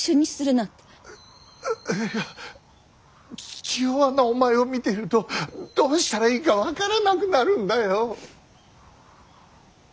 いや気弱なお前を見ているとどうしたらいいか分からなくなるんだよ。